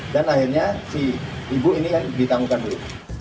dan akhirnya si ibu ini ditanggungkan dulu